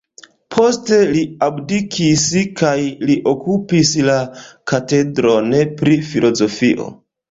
Poste li abdikis kaj li okupis la katedron pri filozofio.